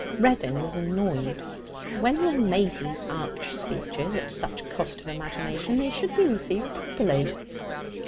Reddin was annoyed. When one made these arch speeches at such cost of imagination, they should be received properly.